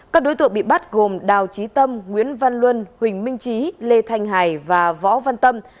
các đối tượng bị bắt gồm đào trí tâm nguyễn văn luân huỳnh minh trí lê thanh hải và võ văn tâm